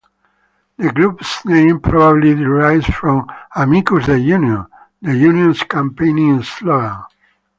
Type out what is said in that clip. The group's name probably derives from "Amicus the union", the union's campaigning slogan.